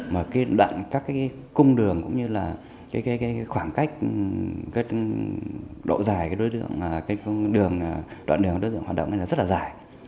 mà các cung đường cũng như là khoảng cách độ dài đoạn đường hoạt động rất là dài